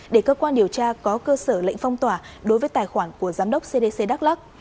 để cơ quan điều tra có cơ sở lệnh phong tỏa đối với tài khoản của giám đốc cdc đắk lắc